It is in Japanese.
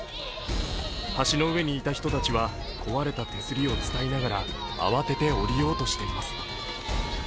橋の上にいた人たちは、壊れた手すりを伝いながら慌てて降りようとしています。